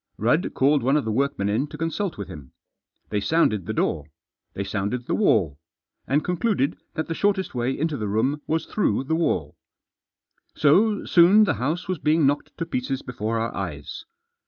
Rudd called one of the workmen in to consult with him. They sounded the door, they sounded the wall, and concluded that the shortest way into the room was through the wall. So soon the house was being knocked to pieces before our eyes.